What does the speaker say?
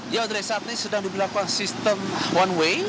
ya saat ini sedang diberlakukan sistem one way